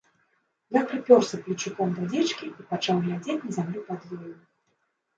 Ён прыпёрся плечуком да дзічкі і пачаў глядзець на зямлю пад ёю.